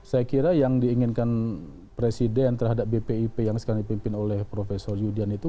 saya kira yang diinginkan presiden terhadap bpip yang sekarang dipimpin oleh profesor yudhian itu